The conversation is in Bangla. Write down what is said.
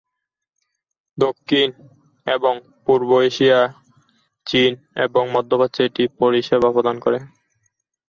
দক্ষিণ এবং দক্ষিণ-পূর্ব এশিয়া, চীন এবং মধ্য প্রাচ্যে এটি পরিষেবা প্রদান করে।